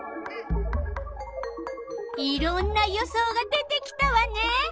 いろんな予想が出てきたわね。